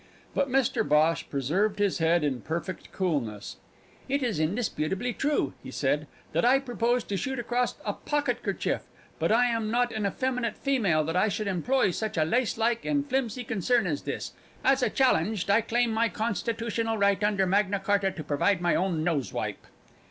But Mr Bhosh preserved his head in perfect coolness: "It is indisputably true," he said, "that I proposed to shoot across a pocketkerchief but I am not an effeminate female that I should employ such a lacelike and flimsy concern as this! As a challenged, I claim my constitutional right under Magna Charta to provide my own nosewipe."